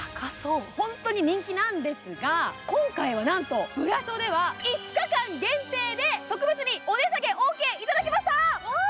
ホントに人気なんですが今回はなんとブラショでは５日間限定で特別にお値下げオーケーいただきました！